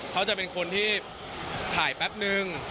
เขาจะเป็นคนที่ถ่ายแป๊บนึง